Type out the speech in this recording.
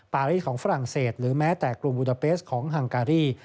ปารีของฝรั่งเศสหรือแม้แต่กลุ่มอุดาเปสของฮังการี